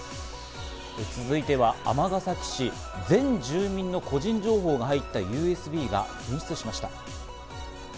続いては尼崎市、全住民の個人情報が入ったＵＳＢが紛失しました。